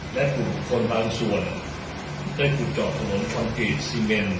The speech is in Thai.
และภูมิบุคคลบางส่วนได้กุจอบถนนคอนกรีตซีเมน